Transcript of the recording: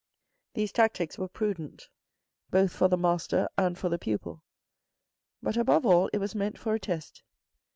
These tactics were prudent, both for the master and for the pupil, but above all it was meant for a test.